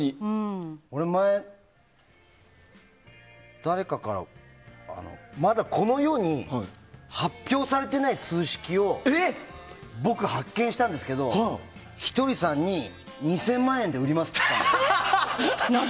前、誰かからまだ、この世に発表されてない数式を僕、発見したんですけどひとりさんに２０００万円で売りますって来たの。